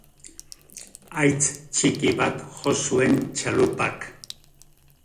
Haitz txiki bat jo zuen txalupak.